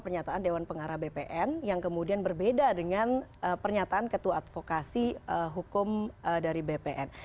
pernyataan dewan pengarah bpn yang kemudian berbeda dengan pernyataan ketua advokasi hukum dari bpn